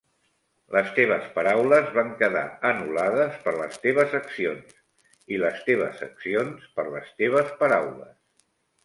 Les teves paraules van quedar anul·lades per les teves accions i les teves accions, per les teves paraules.